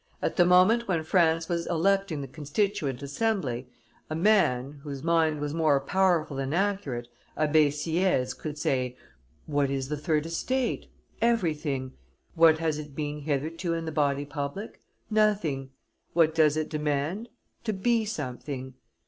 "At the moment when France was electing the constituent assembly, a man, whose mind was more powerful than accurate, Abbe Sieyes, could say, 'What is the third estate? Everything. What has it been hitherto in the body politic? Nothing. What does it demand? To be something.